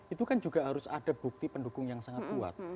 itu kan juga harus ada bukti pendukung yang sangat kuat